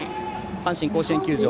阪神甲子園球場